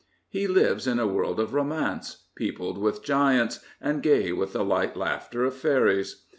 He lives in a world of romance, peopled with giants and gay with the light laughter of fairies.